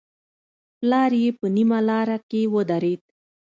پلار يې په نيمه لاره کې ودرېد.